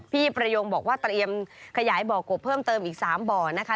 ประโยงบอกว่าเตรียมขยายบ่อกบเพิ่มเติมอีก๓บ่อนะคะ